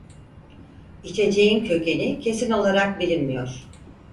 İçeceğin kökeni kesin olarak bilinmiyor.